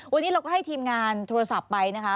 วันนี้เราก็ให้ทีมงานโทรศัพท์ไปนะคะ